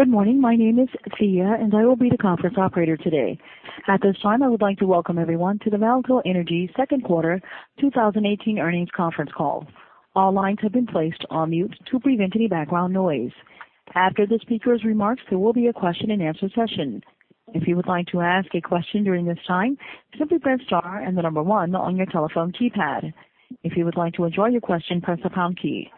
Good morning. My name is Tia and I will be the conference operator today. At this time, I would like to welcome everyone to the VAALCO Energy second quarter 2018 earnings conference call. All lines have been placed on mute to prevent any background noise. After the speakers' remarks, there will be a question-and-answer session. If you would like to ask a question during this time, simply press star and 1 on your telephone keypad. If you would like to withdraw your question, press the pound key.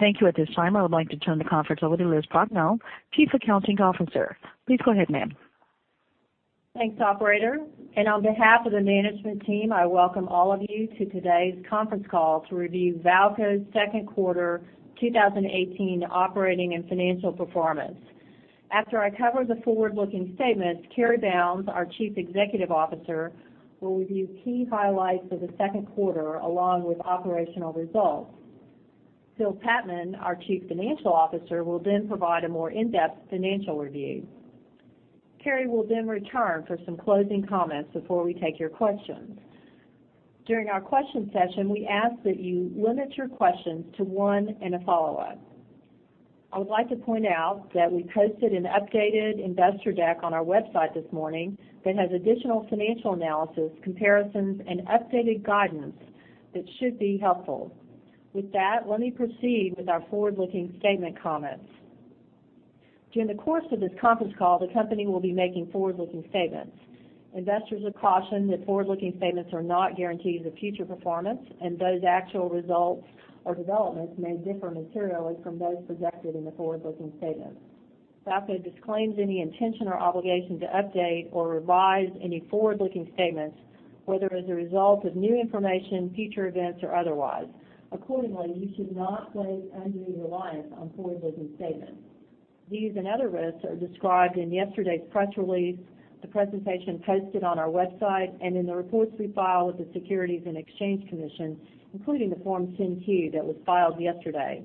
Thank you. At this time, I would like to turn the conference over to Elizabeth Prochnow, Chief Accounting Officer. Please go ahead, ma'am. Thanks, operator. On behalf of the management team, I welcome all of you to today's conference call to review VAALCO's second quarter 2018 operating and financial performance. After I cover the forward-looking statements, Cary Bounds, our Chief Executive Officer, will review key highlights for the second quarter, along with operational results. Phil Patman, our Chief Financial Officer, will then provide a more in-depth financial review. Cary will then return for some closing comments before we take your questions. During our question session, we ask that you limit your questions to one and a follow-up. I would like to point out that we posted an updated investor deck on our website this morning that has additional financial analysis, comparisons, and updated guidance that should be helpful. With that, let me proceed with our forward-looking statement comments. During the course of this conference call, the company will be making forward-looking statements. Investors are cautioned that forward-looking statements are not guarantees of future performance, those actual results or developments may differ materially from those projected in the forward-looking statements. VAALCO disclaims any intention or obligation to update or revise any forward-looking statements, whether as a result of new information, future events, or otherwise. Accordingly, you should not place undue reliance on forward-looking statements. These and other risks are described in yesterday's press release, the presentation posted on our website, and in the reports we file with the Securities and Exchange Commission, including the Form 10-Q that was filed yesterday.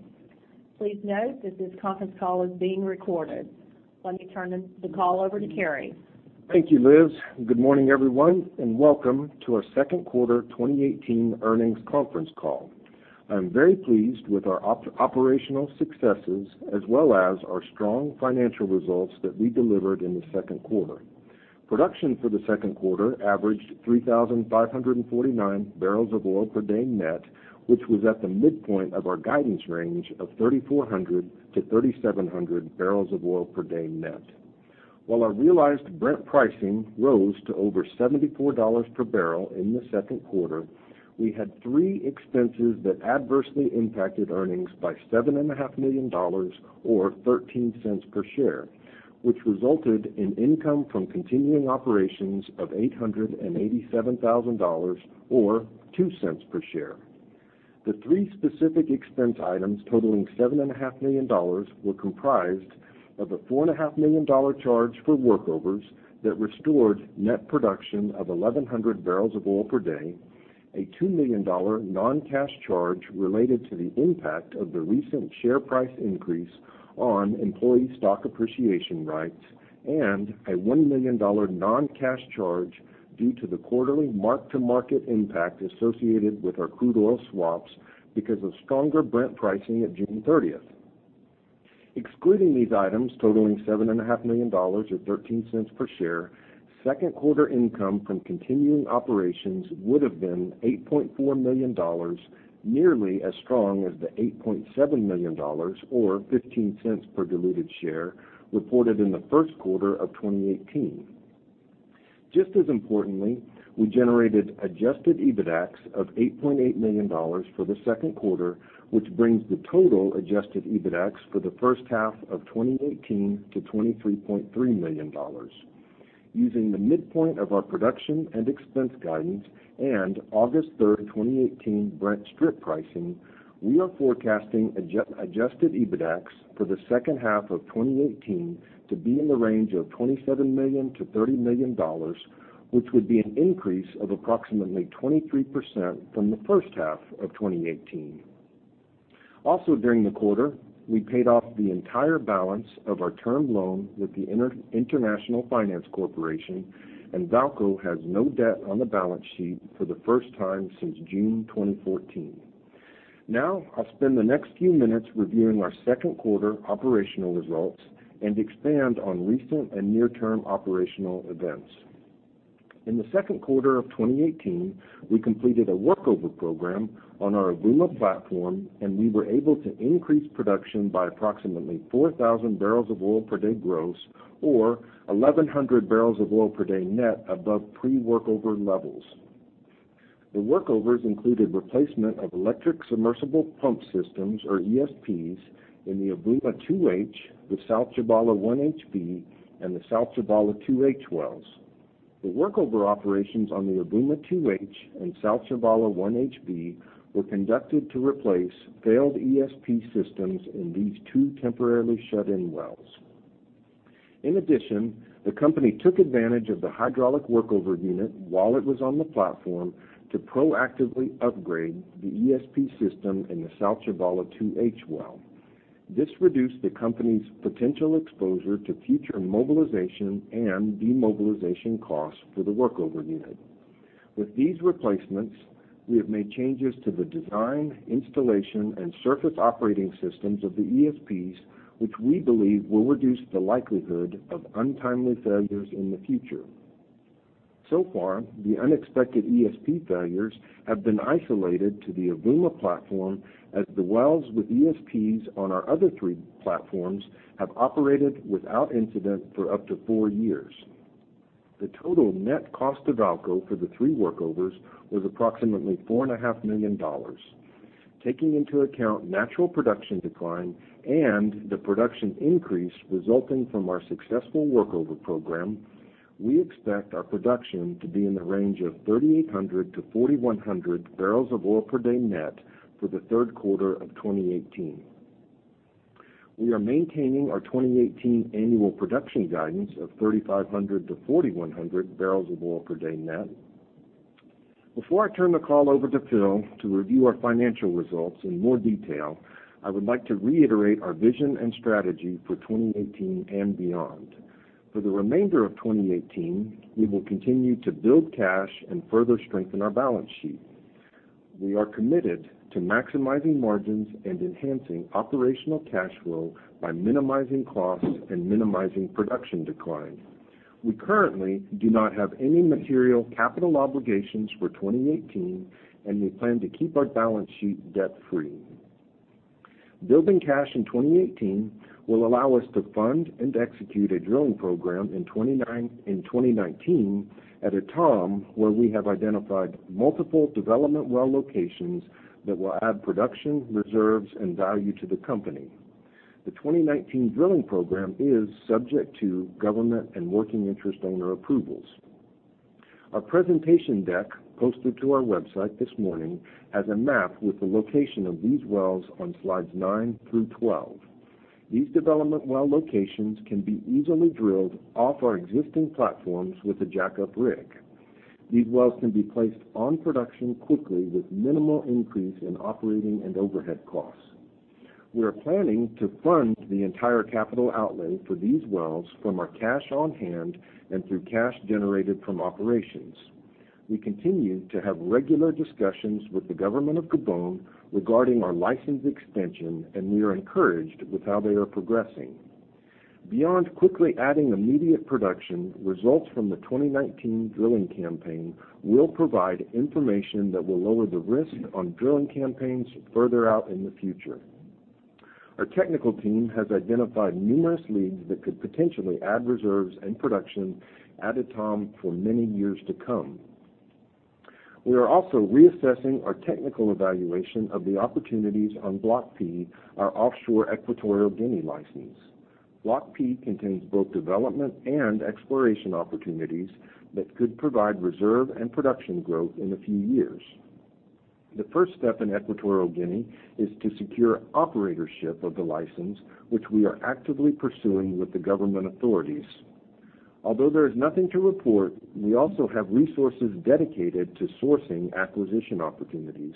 Please note that this conference call is being recorded. Let me turn the call over to Cary. Thank you, Liz. Good morning, everyone, welcome to our second quarter 2018 earnings conference call. I'm very pleased with our operational successes as well as our strong financial results that we delivered in the second quarter. Production for the second quarter averaged 3,549 barrels of oil per day net, which was at the midpoint of our guidance range of 3,400 to 3,700 barrels of oil per day net. While our realized Brent pricing rose to over $74 per barrel in the second quarter, we had three expenses that adversely impacted earnings by $7.5 million, or $0.13 per share, which resulted in income from continuing operations of $887,000, or $0.02 per share. The three specific expense items totaling $7.5 million were comprised of a $4.5 million charge for workovers that restored net production of 1,100 barrels of oil per day, a $2 million non-cash charge related to the impact of the recent share price increase on employee stock appreciation rights, and a $1 million non-cash charge due to the quarterly mark-to-market impact associated with our crude oil swaps because of stronger Brent pricing at June 30th. Excluding these items totaling $7.5 million, or $0.13 per share, second quarter income from continuing operations would have been $8.4 million, nearly as strong as the $8.7 million, or $0.15 per diluted share, reported in the first quarter of 2018. Just as importantly, we generated adjusted EBITDAX of $8.8 million for the second quarter, which brings the total adjusted EBITDAX for the first half of 2018 to $23.3 million. Using the midpoint of our production and expense guidance and August 3rd, 2018, Brent strip pricing, we are forecasting adjusted EBITDAX for the second half of 2018 to be in the range of $27 million-$30 million, which would be an increase of approximately 23% from the first half of 2018. Also during the quarter, we paid off the entire balance of our term loan with the International Finance Corporation, and VAALCO has no debt on the balance sheet for the first time since June 2014. Now, I'll spend the next few minutes reviewing our second quarter operational results and expand on recent and near-term operational events. In the second quarter of 2018, we completed a workover program on our Avouma platform, and we were able to increase production by approximately 4,000 barrels of oil per day gross or 1,100 barrels of oil per day net above pre-workover levels. The workovers included replacement of electric submersible pump systems, or ESPs, in the Avouma 2-H with South Tchibala 1HB-ST and the South Tchibala 2-H wells. The workover operations on the Avouma 2-H and South Tchibala 1HB-ST were conducted to replace failed ESP systems in these two temporarily shut-in wells. In addition, the company took advantage of the hydraulic workover unit while it was on the platform to proactively upgrade the ESP system in the South Tchibala 2-H well. This reduced the company's potential exposure to future mobilization and demobilization costs for the workover unit. With these replacements, we have made changes to the design, installation, and surface operating systems of the ESPs, which we believe will reduce the likelihood of untimely failures in the future. So far, the unexpected ESP failures have been isolated to the Avouma platform as the wells with ESPs on our other three platforms have operated without incident for up to four years. The total net cost to VAALCO for the three workovers was approximately $4.5 million. Taking into account natural production decline and the production increase resulting from our successful workover program, we expect our production to be in the range of 3,800-4,100 barrels of oil per day net for the third quarter of 2018. We are maintaining our 2018 annual production guidance of 3,500-4,100 barrels of oil per day net. Before I turn the call over to Phil to review our financial results in more detail, I would like to reiterate our vision and strategy for 2018 and beyond. For the remainder of 2018, we will continue to build cash and further strengthen our balance sheet. We are committed to maximizing margins and enhancing operational cash flow by minimizing costs and minimizing production decline. We currently do not have any material capital obligations for 2018, and we plan to keep our balance sheet debt-free. Building cash in 2018 will allow us to fund and execute a drilling program in 2019 at Etame, where we have identified multiple development well locations that will add production reserves and value to the company. The 2019 drilling program is subject to government and working interest owner approvals. Our presentation deck, posted to our website this morning, has a map with the location of these wells on slides nine through 12. These development well locations can be easily drilled off our existing platforms with a jackup rig. These wells can be placed on production quickly with minimal increase in operating and overhead costs. We are planning to fund the entire capital outlay for these wells from our cash on hand and through cash generated from operations. We continue to have regular discussions with the government of Gabon regarding our license extension. We are encouraged with how they are progressing. Beyond quickly adding immediate production, results from the 2019 drilling campaign will provide information that will lower the risk on drilling campaigns further out in the future. Our technical team has identified numerous leads that could potentially add reserves and production at Etame for many years to come. We are also reassessing our technical evaluation of the opportunities on Block P, our offshore Equatorial Guinea license. Block P contains both development and exploration opportunities that could provide reserve and production growth in a few years. The first step in Equatorial Guinea is to secure operatorship of the license, which we are actively pursuing with the government authorities. Although there is nothing to report, we also have resources dedicated to sourcing acquisition opportunities.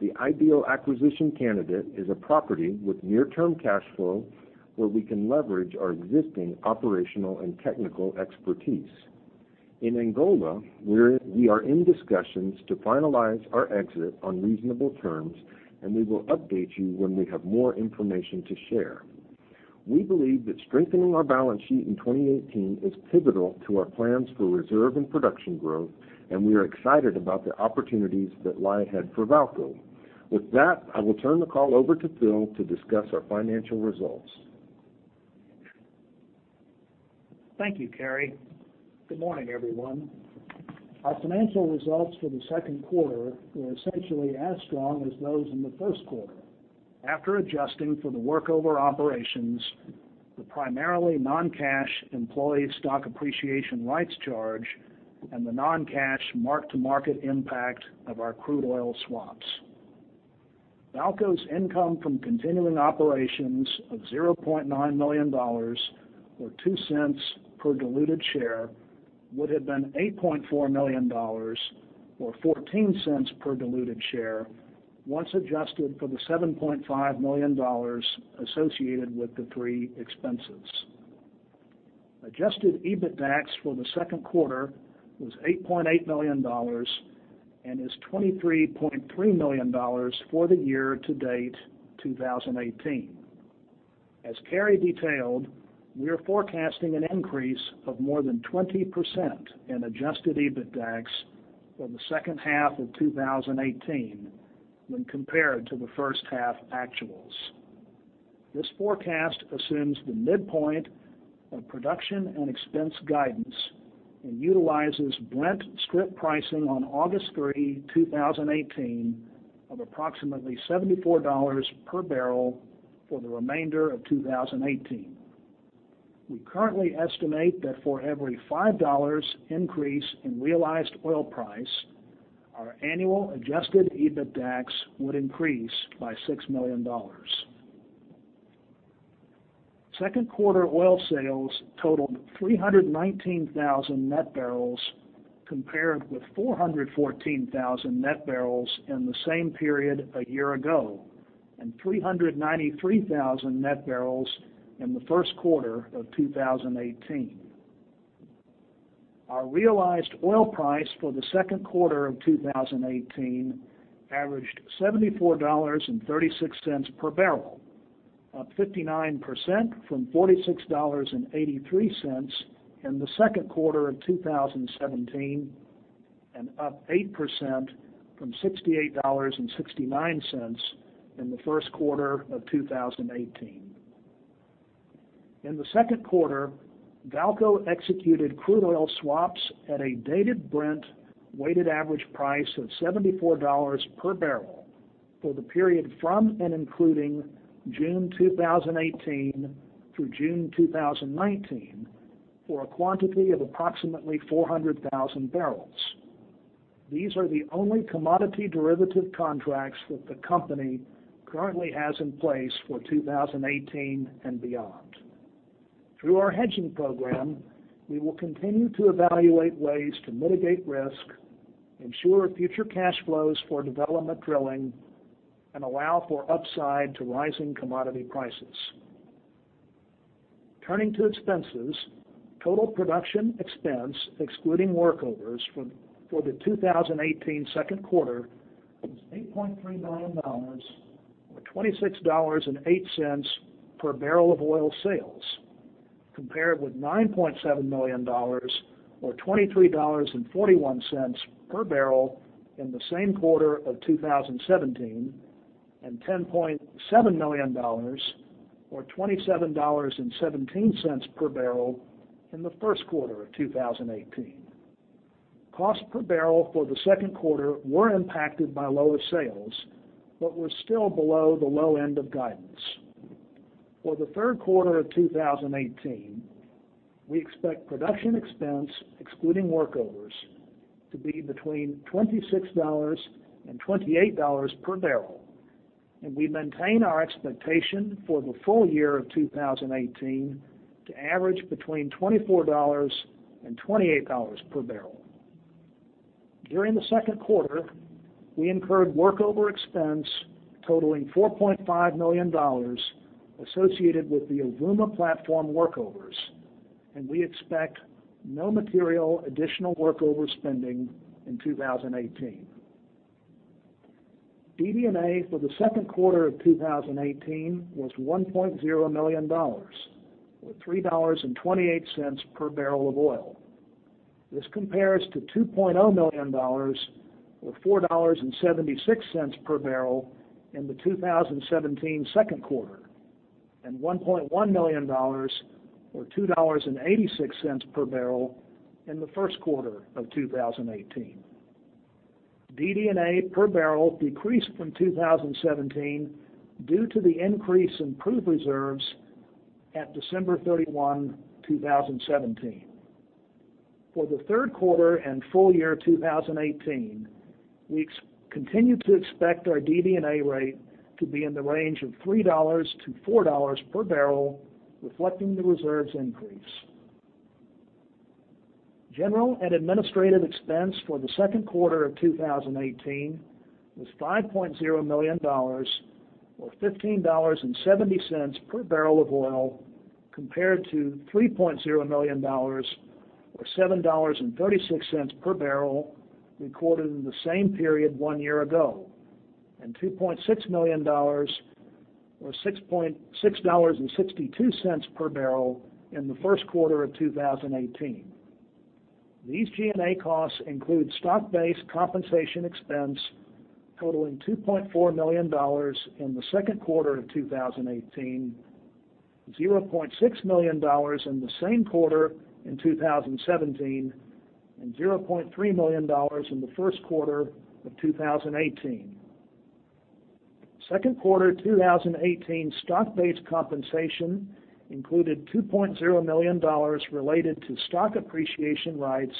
The ideal acquisition candidate is a property with near-term cash flow where we can leverage our existing operational and technical expertise. In Angola, we are in discussions to finalize our exit on reasonable terms. We will update you when we have more information to share. We believe that strengthening our balance sheet in 2018 is pivotal to our plans for reserve and production growth. We are excited about the opportunities that lie ahead for VAALCO. With that, I will turn the call over to Phil to discuss our financial results. Thank you, Cary. Good morning, everyone. Our financial results for the second quarter were essentially as strong as those in the first quarter. After adjusting for the workover operations, the primarily non-cash employee stock appreciation rights charge, and the non-cash mark-to-market impact of our crude oil swaps, VAALCO's income from continuing operations of $0.9 million, or $0.02 per diluted share, would have been $8.4 million, or $0.14 per diluted share, once adjusted for the $7.5 million associated with the three expenses. Adjusted EBITDAX for the second quarter was $8.8 million and is $23.3 million for the year to date 2018. As Cary detailed, we are forecasting an increase of more than 20% in adjusted EBITDAX for the second half of 2018 when compared to the first half actuals. This forecast assumes the midpoint of production and expense guidance and utilizes Brent strip pricing on August 3, 2018, of approximately $74 per barrel for the remainder of 2018. We currently estimate that for every $5 increase in realized oil price, our annual adjusted EBITDAX would increase by $6 million. Second quarter oil sales totaled 319,000 net barrels, compared with 414,000 net barrels in the same period a year ago. 393,000 net barrels in the first quarter of 2018. Our realized oil price for the second quarter of 2018 averaged $74.36 per barrel, up 59% from $46.83 in the second quarter of 2017, and up 8% from $68.69 in the first quarter of 2018. In the second quarter, VAALCO executed crude oil swaps at a Dated Brent weighted average price of $74 per barrel for the period from and including June 2018 through June 2019 for a quantity of approximately 400,000 barrels. These are the only commodity derivative contracts that the company currently has in place for 2018 and beyond. Through our hedging program, we will continue to evaluate ways to mitigate risk, ensure future cash flows for development drilling, and allow for upside to rising commodity prices. Turning to expenses, total production expense excluding workovers for the 2018 second quarter was $8.3 million, or $26.08 per barrel of oil sales, compared with $9.7 million, or $23.41 per barrel in the same quarter of 2017, and $10.7 million, or $27.17 per barrel in the first quarter of 2018. Cost per barrel for the second quarter were impacted by lower sales but were still below the low end of guidance. For the third quarter of 2018, we expect production expense excluding workovers to be between $26 and $28 per barrel, and we maintain our expectation for the full year of 2018 to average between $24 and $28 per barrel. During the second quarter, we incurred workover expense totaling $4.5 million associated with the Avouma platform workovers, and we expect no material additional workover spending in 2018. DD&A for the second quarter of 2018 was $1.0 million, or $3.28 per barrel of oil. This compares to $2.0 million, or $4.76 per barrel, in the 2017 second quarter, and $1.1 million, or $2.86 per barrel, in the first quarter of 2018. DD&A per barrel decreased from 2017 due to the increase in proved reserves at December 31, 2017. For the third quarter and full year 2018, we continue to expect our DD&A rate to be in the range of $3 to $4 per barrel, reflecting the reserves increase. General and administrative expense for the second quarter of 2018 was $5.0 million, or $15.70 per barrel of oil, compared to $3.0 million, or $7.36 per barrel, recorded in the same period one year ago, and $2.6 million, or $6.62 per barrel, in the first quarter of 2018. These G&A costs include stock-based compensation expense totaling $2.4 million in the second quarter of 2018, $0.6 million in the same quarter in 2017, and $0.3 million in the first quarter of 2018. Second quarter 2018 stock-based compensation included $2.0 million related to stock appreciation rights,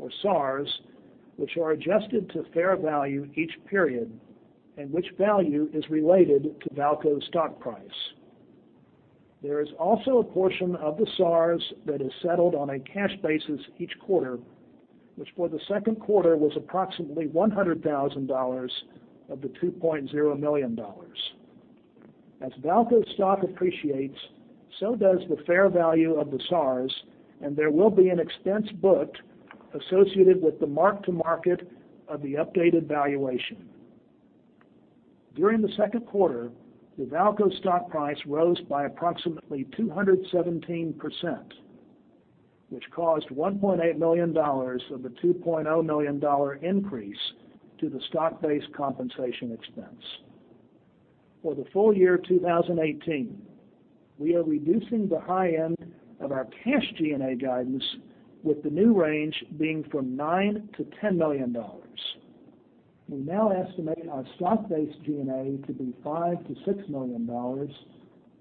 or SARs, which are adjusted to fair value each period, and which value is related to VAALCO's stock price. There is also a portion of the SARs that is settled on a cash basis each quarter, which for the second quarter was approximately $100,000 of the $2.0 million. As VAALCO's stock appreciates, so does the fair value of the SARs, and there will be an expense booked associated with the mark-to-market of the updated valuation. During the second quarter, the VAALCO stock price rose by approximately 217%, which caused $1.8 million of the $2.0 million increase to the stock-based compensation expense. For the full year 2018, we are reducing the high end of our cash G&A guidance, with the new range being from $9 million-$10 million. We now estimate our stock-based G&A to be $5 million-$6 million,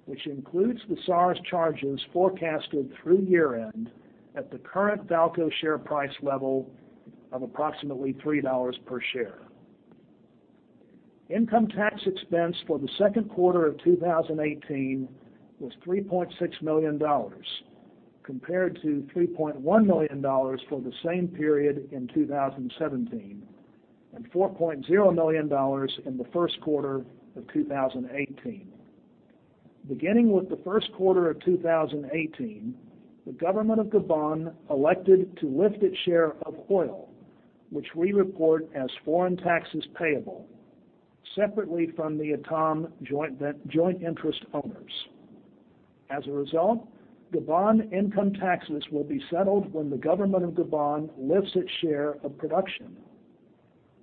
which includes the SARs charges forecasted through year-end at the current VAALCO share price level of approximately $3 per share. Income tax expense for the second quarter of 2018 was $3.6 million. Compared to $3.1 million for the same period in 2017, and $4.0 million in the first quarter of 2018. Beginning with the first quarter of 2018, the government of Gabon elected to lift its share of oil, which we report as foreign taxes payable separately from the Etame joint interest owners. As a result, Gabon income taxes will be settled when the government of Gabon lifts its share of production.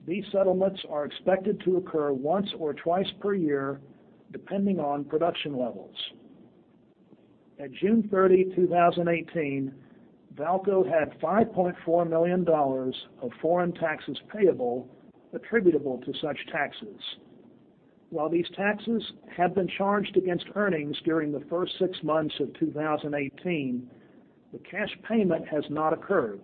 These settlements are expected to occur once or twice per year, depending on production levels. At June 30, 2018, VAALCO had $5.4 million of foreign taxes payable attributable to such taxes. While these taxes have been charged against earnings during the first six months of 2018, the cash payment has not occurred,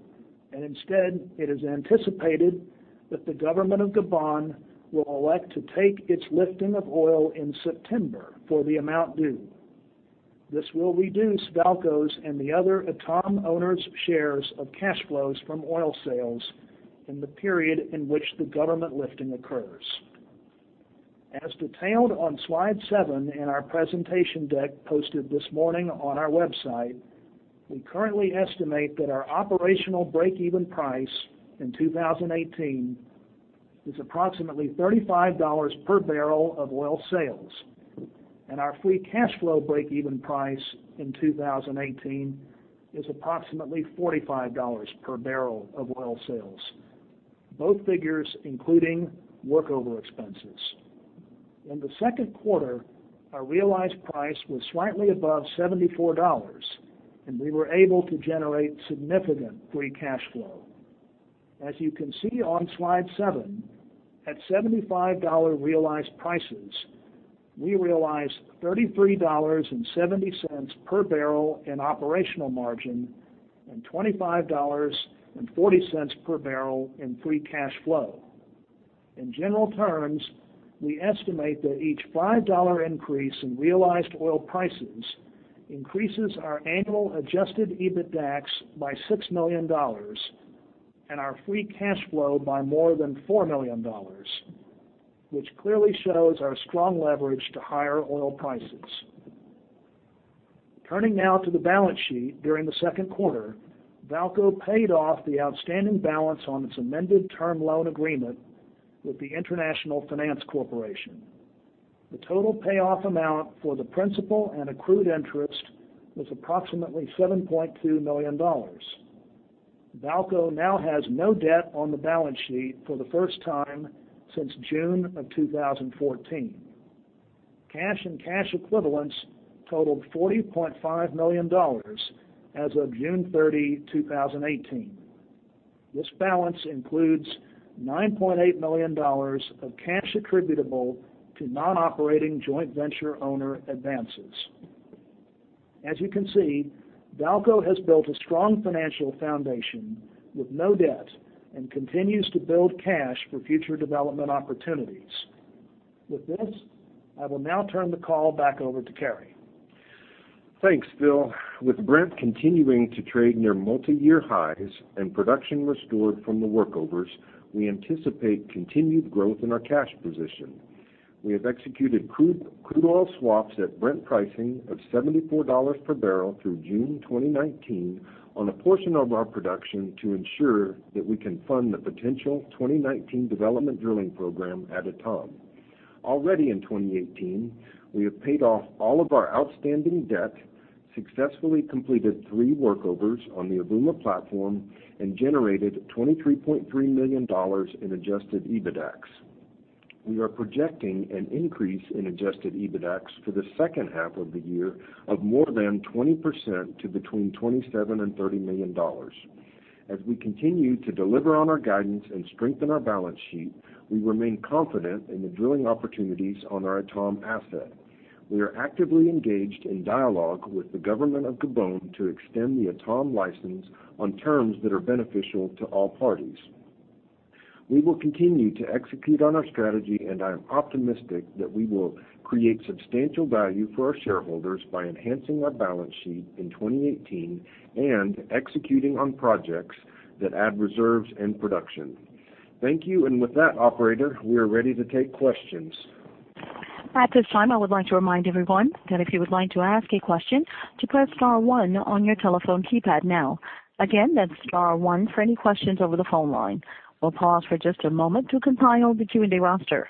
and instead, it is anticipated that the government of Gabon will elect to take its lifting of oil in September for the amount due. This will reduce VAALCO's and the other Etame owners' shares of cash flows from oil sales in the period in which the government lifting occurs. As detailed on slide seven in our presentation deck posted this morning on our website, we currently estimate that our operational breakeven price in 2018 is approximately $35 per barrel of oil sales, and our free cash flow breakeven price in 2018 is approximately $45 per barrel of oil sales, both figures including workover expenses. In the second quarter, our realized price was slightly above $74, and we were able to generate significant free cash flow. As you can see on slide seven, at $75 realized prices, we realized $33.70 per barrel in operational margin and $25.40 per barrel in free cash flow. In general terms, we estimate that each $5 increase in realized oil prices increases our annual adjusted EBITDAX by $6 million and our free cash flow by more than $4 million, which clearly shows our strong leverage to higher oil prices. Turning now to the balance sheet during the second quarter, VAALCO paid off the outstanding balance on its amended term loan agreement with the International Finance Corporation. The total payoff amount for the principal and accrued interest was approximately $7.2 million. VAALCO now has no debt on the balance sheet for the first time since June of 2014. Cash and cash equivalents totaled $40.5 million as of June 30, 2018. This balance includes $9.8 million of cash attributable to non-operating joint venture owner advances. As you can see, VAALCO has built a strong financial foundation with no debt and continues to build cash for future development opportunities. With this, I will now turn the call back over to Cary. Thanks, Phil. With Brent continuing to trade near multiyear highs and production restored from the workovers, we anticipate continued growth in our cash position. We have executed crude oil swaps at Brent pricing of $74 per barrel through June 2019 on a portion of our production to ensure that we can fund the potential 2019 development drilling program at Etame. Already in 2018, we have paid off all of our outstanding debt, successfully completed three workovers on the Avouma platform, and generated $23.3 million in adjusted EBITDAX. We are projecting an increase in adjusted EBITDAX for the second half of the year of more than 20% to between $27 and $30 million. As we continue to deliver on our guidance and strengthen our balance sheet, we remain confident in the drilling opportunities on our Etame asset. We are actively engaged in dialogue with the government of Gabon to extend the Etame license on terms that are beneficial to all parties. We will continue to execute on our strategy. I am optimistic that we will create substantial value for our shareholders by enhancing our balance sheet in 2018 and executing on projects that add reserves and production. Thank you. With that, operator, we are ready to take questions. At this time, I would like to remind everyone that if you would like to ask a question, to press star one on your telephone keypad now. Again, that's star one for any questions over the phone line. We'll pause for just a moment to compile the Q&A roster.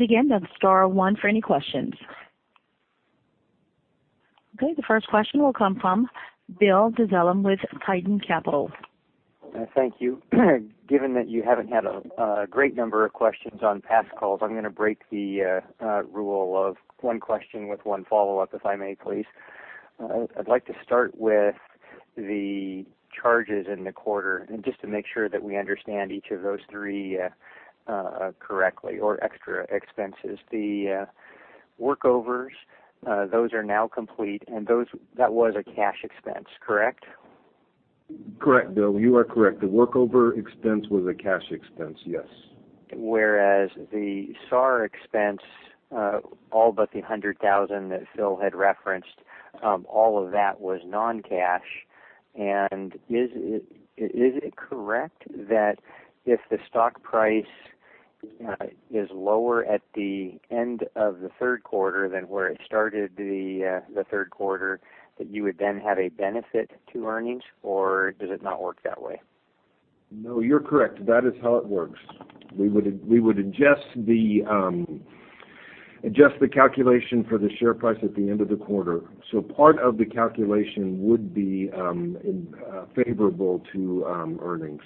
Again, that's star one for any questions. Okay, the first question will come from Bill Dezellem with Tieton Capital. Thank you. Given that you haven't had a great number of questions on past calls, I'm going to break the rule of one question with one follow-up, if I may, please. I'd like to start with the charges in the quarter and just to make sure that we understand each of those three correctly or extra expenses. The workovers, those are now complete, and that was a cash expense, correct? Correct, Bill. You are correct. The workover expense was a cash expense, yes. Is it correct that if the stock price is lower at the end of the third quarter than where it started the third quarter, that you would then have a benefit to earnings or does it not work that way? No, you're correct. That is how it works. We would adjust the calculation for the share price at the end of the quarter. Part of the calculation would be favorable to earnings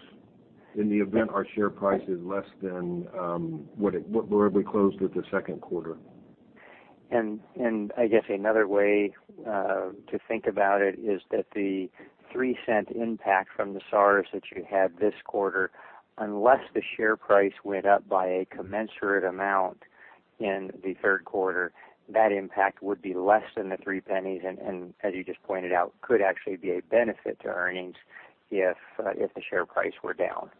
in the event our share price is less than where we closed at the second quarter. I guess another way to think about it is that the $0.03 impact from the SARs that you had this quarter, unless the share price went up by a commensurate amount in the third quarter, that impact would be less than the $0.03 and, as you just pointed out, could actually be a benefit to earnings if the share price were down.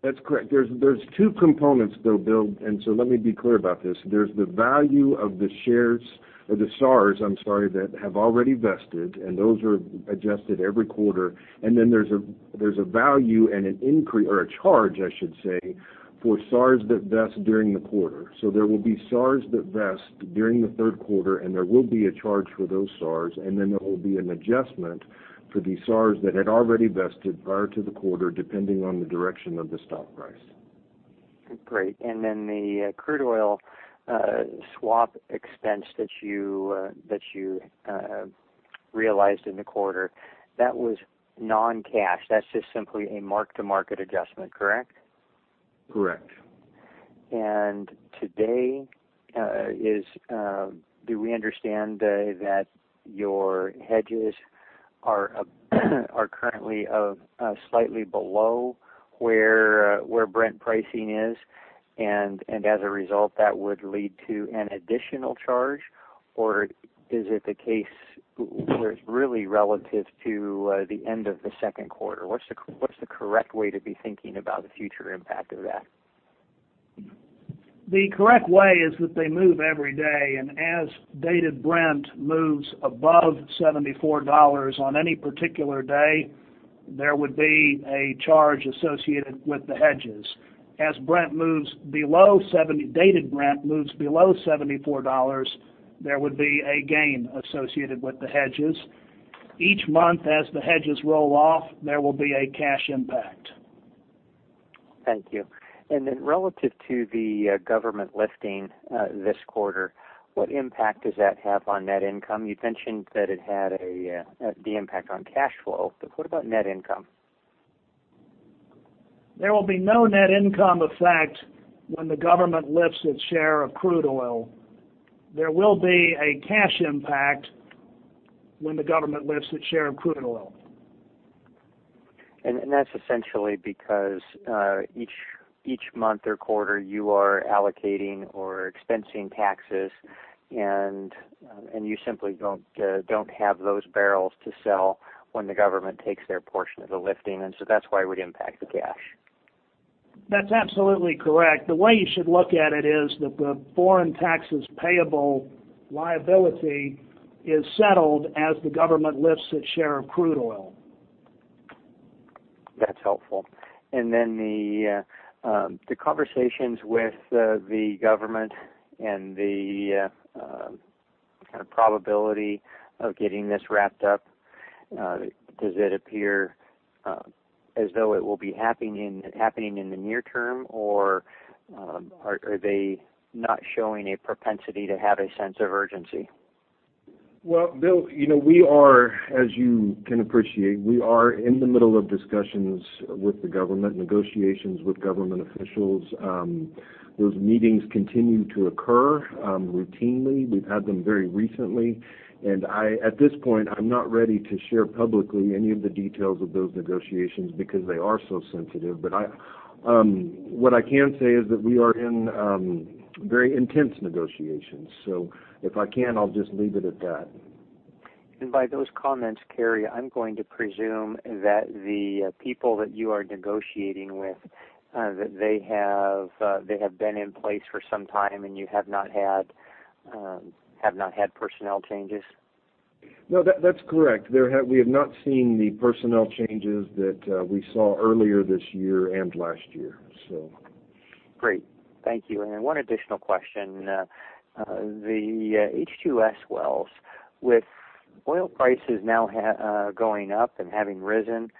That's correct. There's two components, though, Bill. So let me be clear about this. There's the value of the shares or the SARs, I'm sorry, that have already vested, and those are adjusted every quarter. Then there's a value and an increase, or a charge, I should say, for SARs that vest during the quarter. There will be SARs that vest during the third quarter, and there will be a charge for those SARs, and then there will be an adjustment for the SARs that had already vested prior to the quarter, depending on the direction of the stock price. Great. Then the crude oil swap expense that you realized in the quarter, that was non-cash. That's just simply a mark-to-market adjustment, correct? Correct. Today, do we understand that your hedges are currently slightly below where Brent pricing is, and as a result, that would lead to an additional charge? Or is it the case where it's really relative to the end of the second quarter? What's the correct way to be thinking about the future impact of that? The correct way is that they move every day, as Dated Brent moves above $74 on any particular day, there would be a charge associated with the hedges. As Dated Brent moves below $74, there would be a gain associated with the hedges. Each month as the hedges roll off, there will be a cash impact. Thank you. Relative to the government lifting this quarter, what impact does that have on net income? You mentioned the impact on cash flow, but what about net income? There will be no net income effect when the government lifts its share of crude oil. There will be a cash impact when the government lifts its share of crude oil. That's essentially because each month or quarter you are allocating or expensing taxes, and you simply don't have those barrels to sell when the government takes their portion of the lifting, and so that's why it would impact the cash. That's absolutely correct. The way you should look at it is that the foreign taxes payable liability is settled as the government lifts its share of crude oil. That's helpful. Then the conversations with the government and the kind of probability of getting this wrapped up, does it appear as though it will be happening in the near term, or are they not showing a propensity to have a sense of urgency? Well, Bill, as you can appreciate, we are in the middle of discussions with the government, negotiations with government officials. Those meetings continue to occur routinely. We've had them very recently. At this point, I'm not ready to share publicly any of the details of those negotiations because they are so sensitive. What I can say is that we are in very intense negotiations. If I can, I'll just leave it at that. By those comments, Cary, I'm going to presume that the people that you are negotiating with, that they have been in place for some time, and you have not had personnel changes. No, that's correct. We have not seen the personnel changes that we saw earlier this year and last year. Great. Thank you. One additional question. The H2S wells, with oil prices now going up and having risen,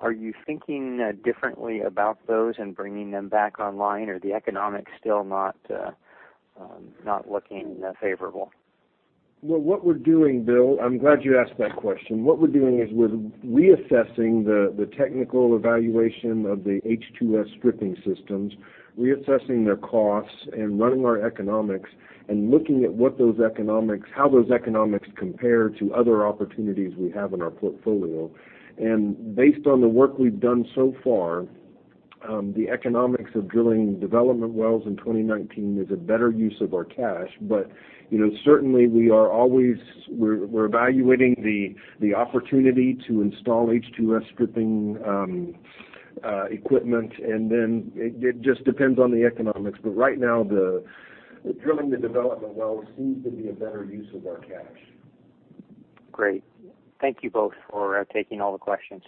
are you thinking differently about those and bringing them back online, or are the economics still not looking favorable? Well, what we're doing, Bill, I'm glad you asked that question. What we're doing is we're reassessing the technical evaluation of the H2S stripping systems, reassessing their costs, and running our economics and looking at how those economics compare to other opportunities we have in our portfolio. Based on the work we've done so far, the economics of drilling development wells in 2019 is a better use of our cash. Certainly, we're evaluating the opportunity to install H2S stripping equipment, and then it just depends on the economics. Right now, drilling the development wells seems to be a better use of our cash. Great. Thank you both for taking all the questions.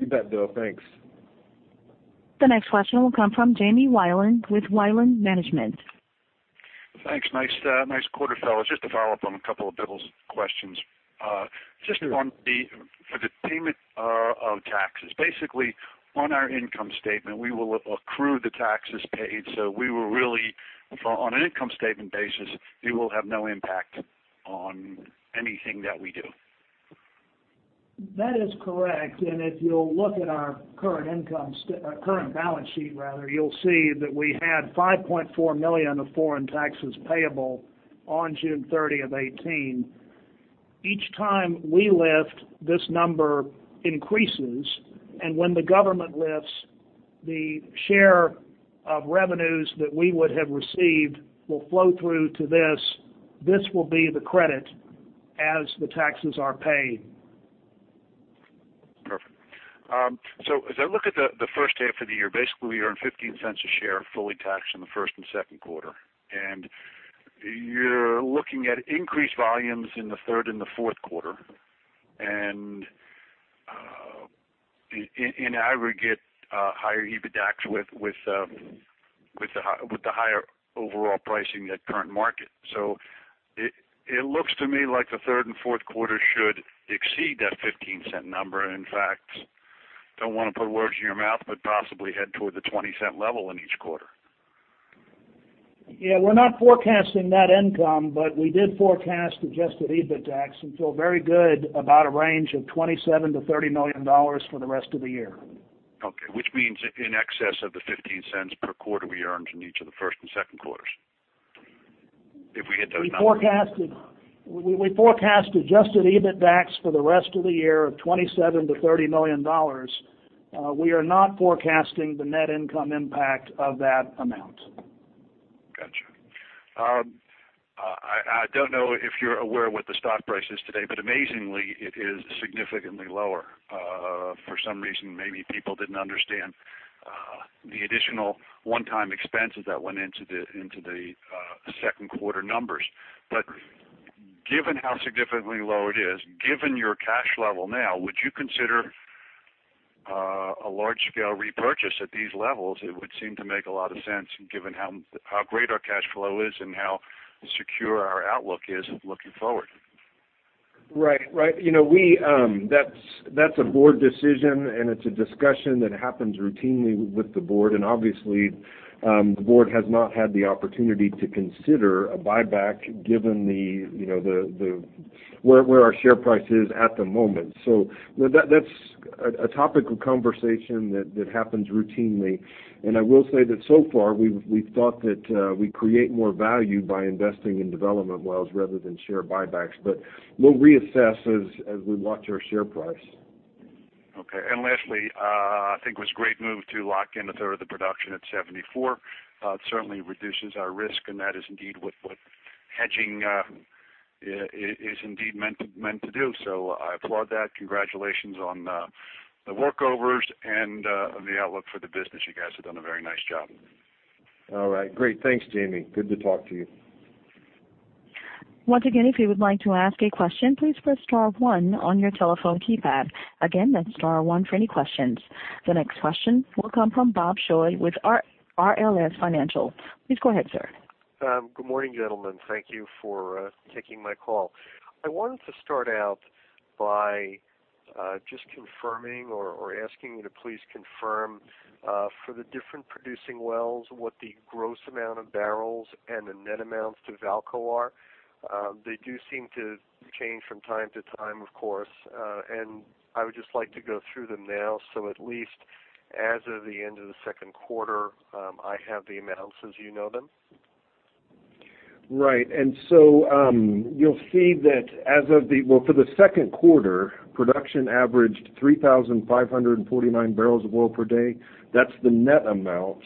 You bet, Bill. Thanks. The next question will come from Jamie Wieland with Wieland Management. Thanks. Nice quarter, fellas. Just to follow up on a couple of Bill's questions. Sure. Just on the payment of taxes. Basically, on our income statement, we will accrue the taxes paid, so we will really, on an income statement basis, it will have no impact on anything that we do. That is correct. If you'll look at our current balance sheet, you'll see that we had $5.4 million of foreign taxes payable on June 30, 2018. Each time we lift, this number increases, and when the government lifts, the share of revenues that we would have received will flow through to this. This will be the credit as the taxes are paid. Perfect. As I look at the first half of the year, basically, you earned $0.15 a share fully taxed in the first and second quarter. You're looking at increased volumes in the third and the fourth quarter, and in aggregate, higher EBITDAX with the higher overall pricing at current market. It looks to me like the third and fourth quarter should exceed that $0.15 number. In fact, don't want to put words in your mouth, but possibly head toward the $0.20 level in each quarter. We're not forecasting net income, but we did forecast adjusted EBITDAX and feel very good about a range of $27 million-$30 million for the rest of the year. Which means in excess of the $0.15 per quarter we earned in each of the first and second quarters, if we hit those numbers. We forecast adjusted EBITDAX for the rest of the year of $27 million-$30 million. We are not forecasting the net income impact of that amount. Got you. I don't know if you're aware what the stock price is today. Amazingly, it is significantly lower. For some reason, maybe people didn't understand the additional one-time expenses that went into the second quarter numbers. Given how significantly low it is, given your cash level now, would you consider a large-scale repurchase at these levels? It would seem to make a lot of sense given how great our cash flow is and how secure our outlook is looking forward. Right. That's a board decision, and it's a discussion that happens routinely with the board. Obviously, the board has not had the opportunity to consider a buyback given where our share price is at the moment. That's a topic of conversation that happens routinely, and I will say that so far, we've thought that we create more value by investing in development wells rather than share buybacks. We'll reassess as we watch our share price. Okay. Lastly, I think it was great move to lock in a third of the production at $74. It certainly reduces our risk, and that is indeed what hedging is indeed meant to do. I applaud that. Congratulations on the workovers and the outlook for the business. You guys have done a very nice job. All right. Great. Thanks, Jamie. Good to talk to you. Once again, if you would like to ask a question, please press star one on your telephone keypad. Again, that's star one for any questions. The next question will come from Bob Shaw with RLS Financial. Please go ahead, sir. Good morning, gentlemen. Thank you for taking my call. I wanted to start out by just confirming or asking you to please confirm for the different producing wells what the gross amount of barrels and the net amounts to VAALCO are. They do seem to change from time to time, of course. I would just like to go through them now, so at least as of the end of the second quarter, I have the amounts as you know them. Right. You'll see that for the second quarter, production averaged 3,549 barrels of oil per day. That's the net amount.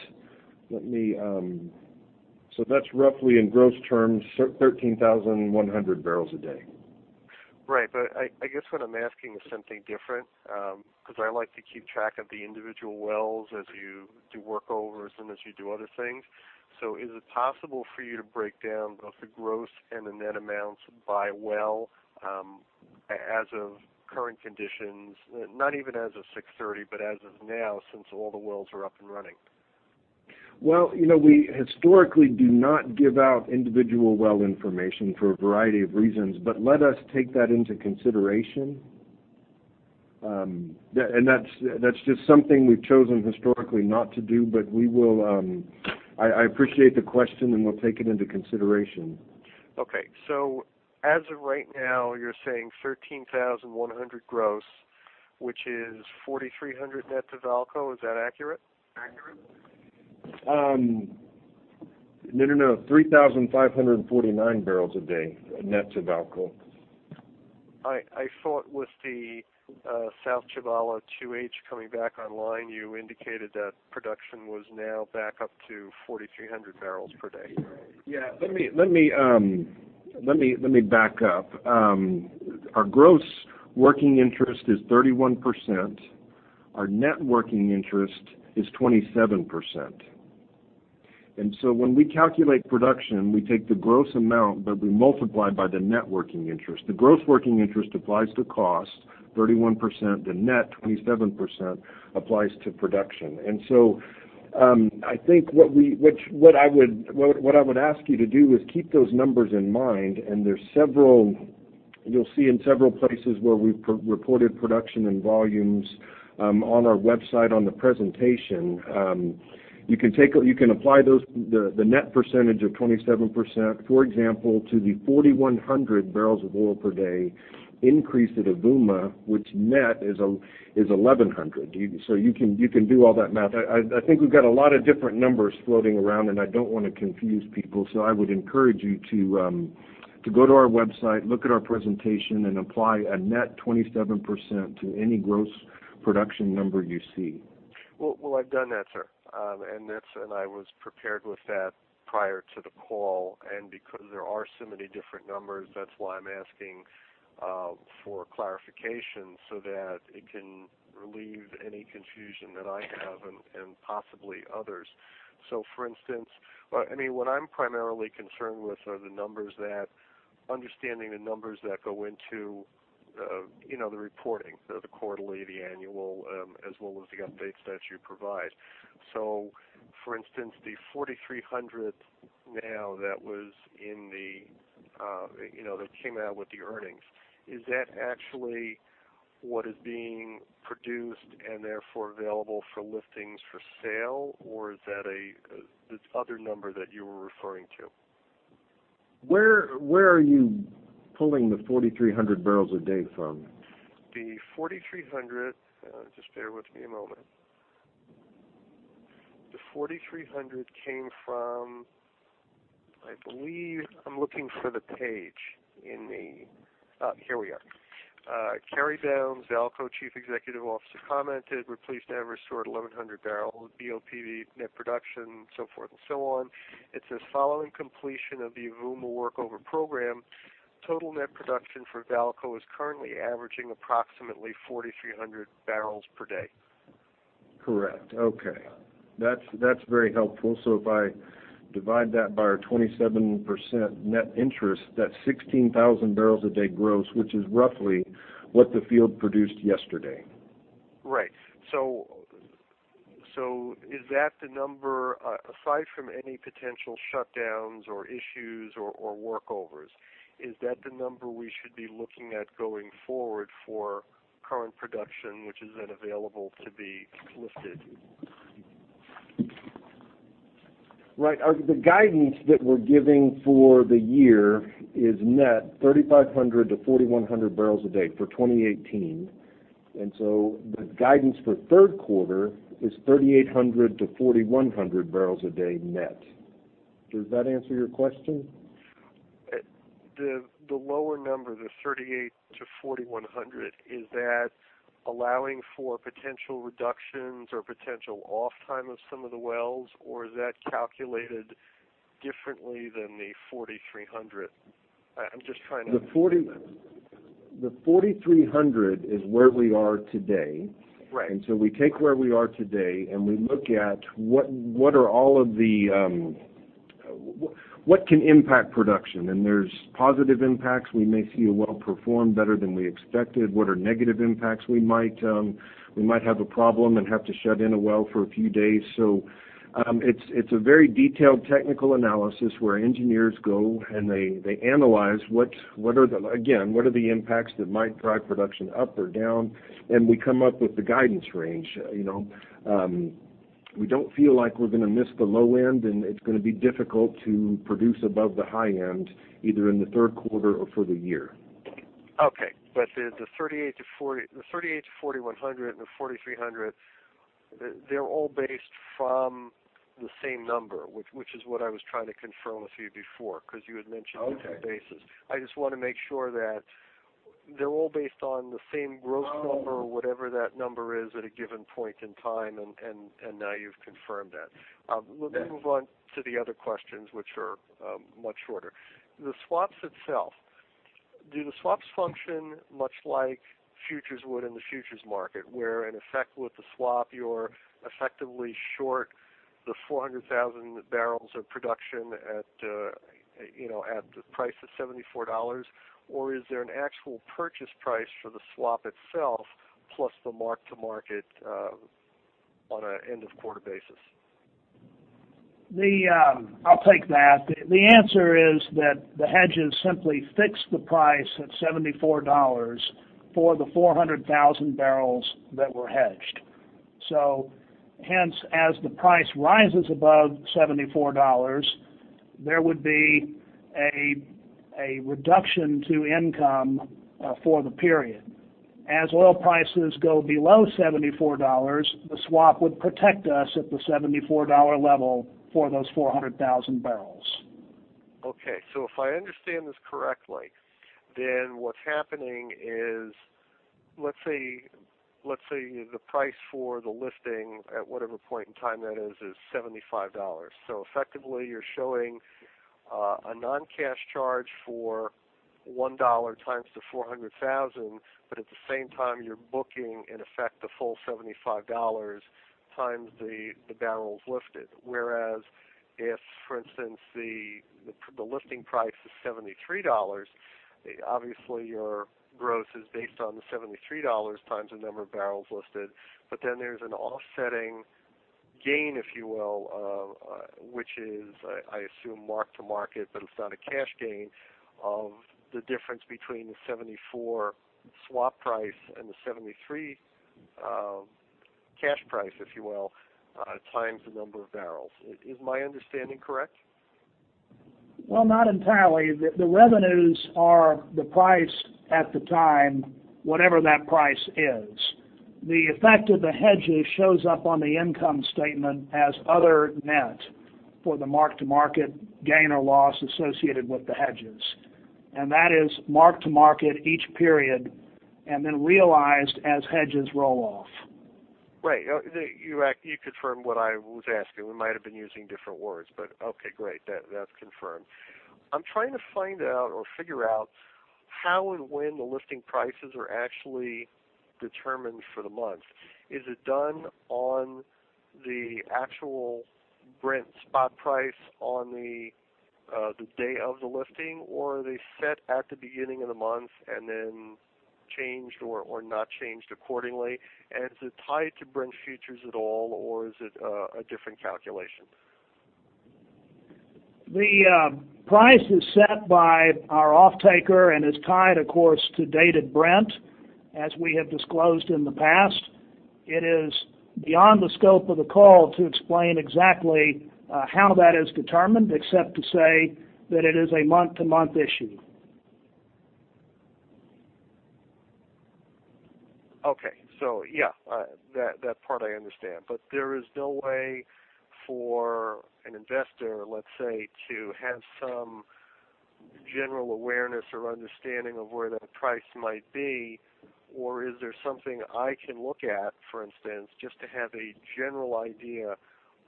That's roughly in gross terms, 13,100 barrels a day. Right. I guess what I'm asking is something different, because I like to keep track of the individual wells as you do workovers and as you do other things. Is it possible for you to break down both the gross and the net amounts by well, as of current conditions? Not even as of 6/30, but as of now, since all the wells are up and running. Well, we historically do not give out individual well information for a variety of reasons, let us take that into consideration. That's just something we've chosen historically not to do, I appreciate the question, and we'll take it into consideration. Okay. As of right now, you're saying 13,100 gross, which is 4,300 net to VAALCO. Is that accurate? No. 3,549 barrels a day net to VAALCO. I thought with the South Tchibala 2-H coming back online, you indicated that production was now back up to 4,300 barrels per day. Yeah. Let me back up. Our gross working interest is 31%. Our net working interest is 27%. When we calculate production, we take the gross amount, but we multiply by the net working interest. The gross working interest applies to cost, 31%, the net 27% applies to production. I think what I would ask you to do is keep those numbers in mind, and you'll see in several places where we've reported production and volumes on our website on the presentation. You can apply the net percentage of 27%, for example, to the 4,100 barrels of oil per day increase at Avouma, which net is 1,100. You can do all that math. I think we've got a lot of different numbers floating around, and I don't want to confuse people, so I would encourage you to go to our website, look at our presentation, and apply a net 27% to any gross production number you see. Well, I've done that, sir. I was prepared with that prior to the call, and because there are so many different numbers, that's why I'm asking for clarification so that it can relieve any confusion that I have and possibly others. For instance, what I'm primarily concerned with are understanding the numbers that go into the reporting, so the quarterly, the annual, as well as the updates that you provide. For instance, the 4,300 now that came out with the earnings, is that actually what is being produced and therefore available for liftings for sale? Or is that this other number that you were referring to? Where are you pulling the 4,300 barrels a day from? The 4,300. Just bear with me a moment. The 4,300 came from, I believe I'm looking for the page in the here we are. "Cary Bounds, VAALCO Chief Executive Officer, commented, 'We're pleased to have restored 1,100 barrel BOPD net production,'" so forth and so on. It says, "Following completion of the Avouma workover program, total net production for VAALCO is currently averaging approximately 4,300 barrels per day. Correct. Okay. That's very helpful. If I divide that by our 27% net interest, that's 16,000 barrels a day gross, which is roughly what the field produced yesterday. Right. Is that the number, aside from any potential shutdowns or issues or workovers, is that the number we should be looking at going forward for current production, which is then available to be lifted? Right. The guidance that we're giving for the year is net 3,500 to 4,100 barrels a day for 2018. The guidance for third quarter is 3,800 to 4,100 barrels a day net. Does that answer your question? The lower number, the 38 to 4,100, is that allowing for potential reductions or potential off time of some of the wells, or is that calculated differently than the 4,300? The 4,300 is where we are today. Right. We take where we are today, and we look at what can impact production. There's positive impacts. We may see a well perform better than we expected. What are negative impacts? We might have a problem and have to shut in a well for a few days. It's a very detailed technical analysis where engineers go, and they analyze, again, what are the impacts that might drive production up or down? We come up with the guidance range. We don't feel like we're going to miss the low end, and it's going to be difficult to produce above the high end, either in the third quarter or for the year. Okay. The 38 to 4,100 and the 4,300, they're all based from the same number, which is what I was trying to confirm with you before, because you had mentioned different bases. Okay. I just want to make sure that they're all based on the same gross number No whatever that number is at a given point in time, and now you've confirmed that. Yes. Let me move on to the other questions, which are much shorter. The swaps itself. Do the swaps function much like futures would in the futures market, where in effect with the swap, you're effectively short the 400,000 barrels of production at the price of $74? Or is there an actual purchase price for the swap itself, plus the mark-to-market on an end of quarter basis? I'll take that. The answer is that the hedges simply fix the price at $74 for the 400,000 barrels that were hedged. Hence, as the price rises above $74, there would be a reduction to income for the period. As oil prices go below $74, the swap would protect us at the $74 level for those 400,000 barrels. Okay. If I understand this correctly, then what's happening is, let's say, the price for the liftings at whatever point in time that is $75. Effectively you're showing a non-cash charge for $1 times the 400,000, but at the same time you're booking in effect the full $75 times the barrels lifted. Whereas if, for instance, the liftings price is $73, obviously your gross is based on the $73 times the number of barrels lifted. There's an offsetting gain, if you will, which is, I assume, mark to market, but it's not a cash gain of the difference between the $74 swap price and the $73 cash price, if you will, times the number of barrels. Is my understanding correct? Well, not entirely. The revenues are the price at the time, whatever that price is. The effect of the hedges shows up on the income statement as other net for the mark to market gain or loss associated with the hedges. That is mark to market each period and then realized as hedges roll off. Right. You confirmed what I was asking. We might have been using different words, okay, great. That's confirmed. I'm trying to find out or figure out how and when the liftings prices are actually determined for the month. Is it done on the actual Brent spot price on the day of the lifting, or are they set at the beginning of the month and then changed or not changed accordingly? Is it tied to Brent futures at all, or is it a different calculation? The price is set by our offtaker and is tied, of course, to Dated Brent, as we have disclosed in the past. It is beyond the scope of the call to explain exactly how that is determined, except to say that it is a month-to-month issue. Okay. Yeah, that part I understand. There is no way for an investor, let's say, to have some general awareness or understanding of where that price might be? Is there something I can look at, for instance, just to have a general idea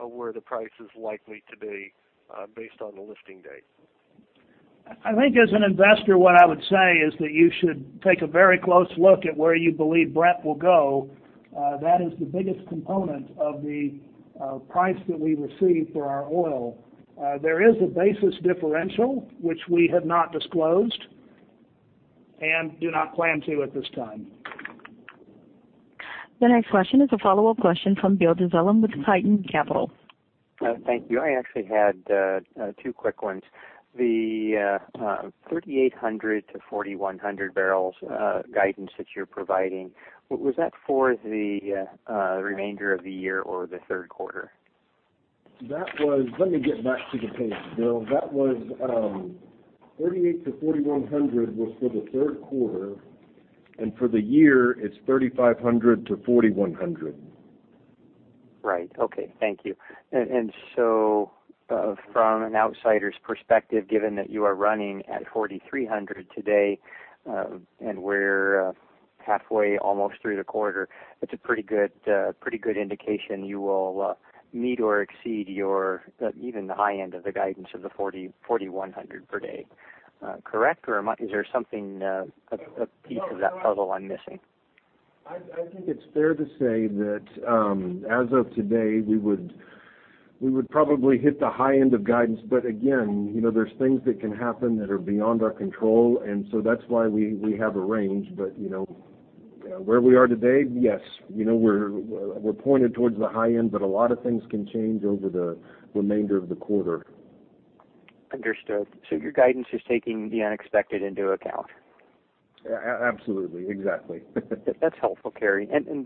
of where the price is likely to be based on the lifted date? I think as an investor, what I would say is that you should take a very close look at where you believe Brent will go. That is the biggest component of the price that we receive for our oil. There is a basis differential, which we have not disclosed and do not plan to at this time. The next question is a follow-up question from Bill Dezellem with Tieton Capital. Thank you. I actually had two quick ones. The 3,800 to 4,100 barrels guidance that you're providing, was that for the remainder of the year or the third quarter? Let me get back to the page, Bill. That was 3,800 to 4,100 was for the third quarter. For the year it's 3,500 to 4,100. Right. Okay. Thank you. From an outsider's perspective, given that you are running at 4,300 today, we're halfway almost through the quarter, it's a pretty good indication you will meet or exceed your even the high end of the guidance of the 4,100 per day. Correct? Is there something, a piece of that puzzle I'm missing? I think it's fair to say that, as of today, we would probably hit the high end of guidance. Again, there's things that can happen that are beyond our control. That's why we have a range. Where we are today, yes. We're pointed towards the high end, but a lot of things can change over the remainder of the quarter. Understood. Your guidance is taking the unexpected into account? Absolutely. Exactly. That's helpful, Cary. On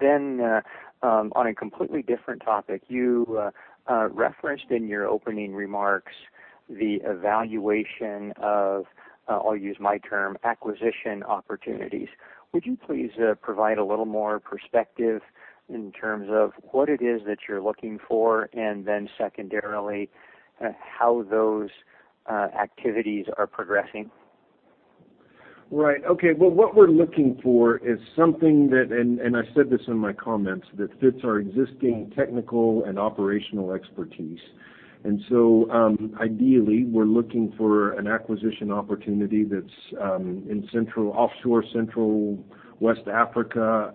a completely different topic, you referenced in your opening remarks the evaluation of, I'll use my term, acquisition opportunities. Would you please provide a little more perspective in terms of what it is that you're looking for, and then secondarily, how those activities are progressing? Right. Okay. Well, what we're looking for is something that, and I said this in my comments, that fits our existing technical and operational expertise. Ideally, we're looking for an acquisition opportunity that's in offshore West Central Africa,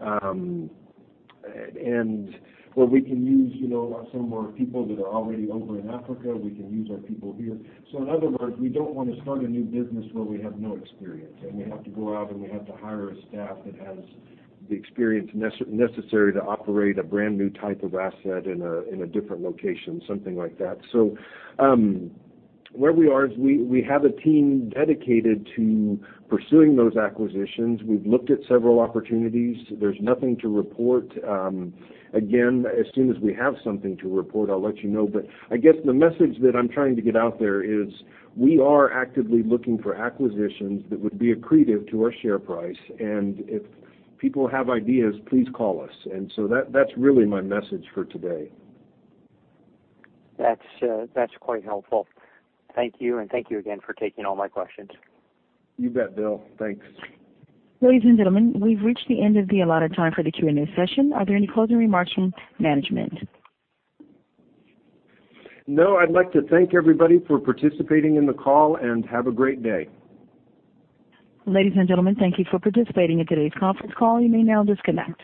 and where we can use some of our people that are already over in Africa, we can use our people here. In other words, we don't want to start a new business where we have no experience, and we have to go out and we have to hire a staff that has the experience necessary to operate a brand-new type of asset in a different location, something like that. Where we are is we have a team dedicated to pursuing those acquisitions. We've looked at several opportunities. There's nothing to report. Again, as soon as we have something to report, I'll let you know. I guess the message that I'm trying to get out there is we are actively looking for acquisitions that would be accretive to our share price. If people have ideas, please call us. That's really my message for today. That's quite helpful. Thank you, and thank you again for taking all my questions. You bet, Bill. Thanks. Ladies and gentlemen, we've reached the end of the allotted time for the Q&A session. Are there any closing remarks from management? I'd like to thank everybody for participating in the call, and have a great day. Ladies and gentlemen, thank you for participating in today's conference call. You may now disconnect.